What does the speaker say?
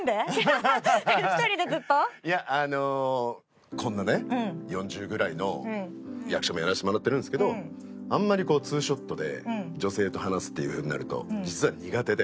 いやあのこんなね４０ぐらいの役者もやらせてもらってるんですけどあんまり２ショットで女性と話すっていう風になると実は苦手で。